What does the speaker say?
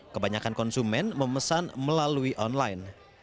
kebanyakan konsumen memesan melalui online